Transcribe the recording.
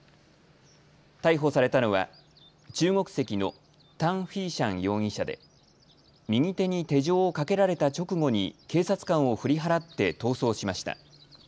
逮捕されたのは中国籍の唐恢祥容疑者で右手に手錠をかけられた直後に警察官を振り払って逃走しました。